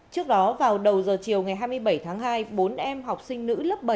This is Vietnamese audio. trước đó vào đầu giờ chiều ngày hai mươi bảy tháng hai bốn em học sinh nữ lớp bảy